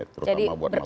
terutama buat masyarakat